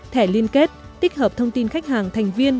thẻ liên kết tích hợp thông tin khách hàng thành viên